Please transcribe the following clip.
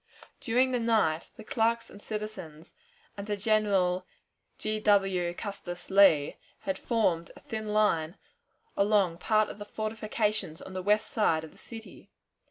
During the night the clerks and citizens, under General G. W. Custis Lee, had formed a thin line along part of the fortifications on the west side of the city.